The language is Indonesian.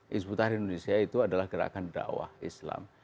disebutkan di indonesia itu adalah gerakan dakwah islam